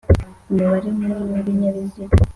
Umubare munini w ibinyabiziga